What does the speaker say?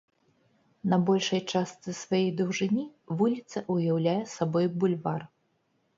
На большай частцы сваёй даўжыні вуліца ўяўляе сабой бульвар.